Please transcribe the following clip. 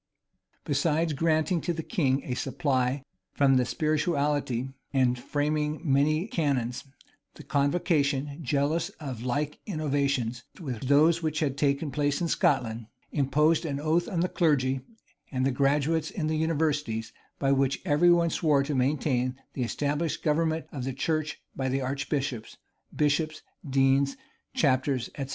Besides granting to the king a supply from the spirituality, and framing many canons, the convocation, jealous of like innovations with those which had taken place in Scotland, imposed an oath on the clergy and the graduates in the universities, by which every one swore to maintain the established government of the church by archbishops, bishops, deans, chapters, etc.